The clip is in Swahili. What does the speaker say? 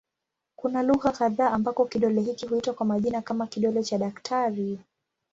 Kuna lugha kadha ambako kidole hiki huitwa kwa majina kama "kidole cha daktari".